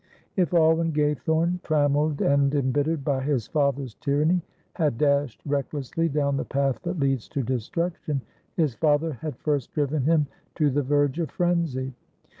If Alwyn Gaythorne, trammelled and embittered by his father's tyranny, had dashed recklessly down the path that leads to destruction, his father had first driven him to the verge of frenzy.